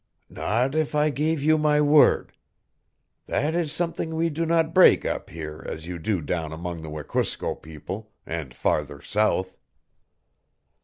"Not if I gave you my word. That is something we do not break up here as you do down among the Wekusko people, and farther south."